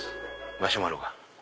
マシュマロが。